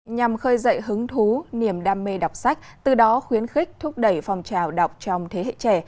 nhằm khơi dậy hứng thú niềm đam mê đọc sách từ đó khuyến khích thúc đẩy phòng trào đọc trong thế hệ trẻ